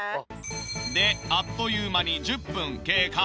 であっという間に１０分経過。